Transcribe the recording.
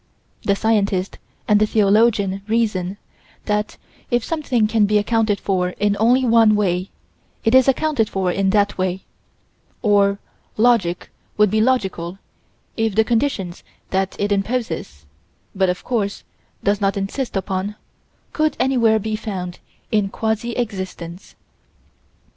The scientist and the theologian reason that if something can be accounted for in only one way, it is accounted for in that way or logic would be logical, if the conditions that it imposes, but, of course, does not insist upon, could anywhere be found in quasi existence.